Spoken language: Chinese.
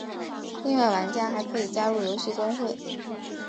另外玩家还可以加入游戏公会。